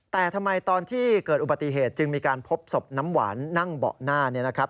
แต่ทำไมตอนที่เกิดอุบัติเหตุจึงมีการพบศพน้ำหวานนั่งเบาะหน้าเนี่ยนะครับ